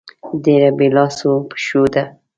ډېره بې لاسو پښو ده.